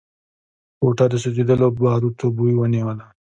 کوټه د سوځېدلو باروتو بوی ونيوله.